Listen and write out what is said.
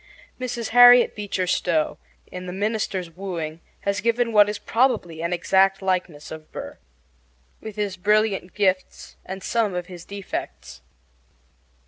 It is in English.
Mrs. Harriet Beecher Stowe, in The Minister's Wooing, has given what is probably an exact likeness of Aaron Burr, with his brilliant gifts and some of his defects.